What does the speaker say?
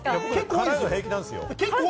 辛いの平気なんですよ。